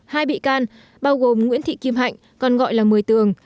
hai bị can bao gồm nguyễn thị kim hạnh còn gọi là mười tường